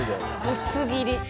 ぶつ切り。